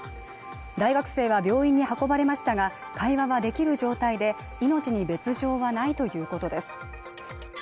大学生は病院に運ばれましたが会話はできる状態で命に別状はないということです